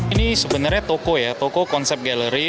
ini sebenarnya toko ya toko konsep gallery